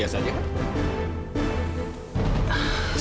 sama seperti andre